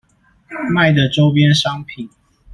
賣的週邊商品